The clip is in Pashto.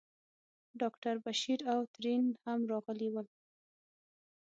ډاکټر بشیر او ترین هم راغلي ول.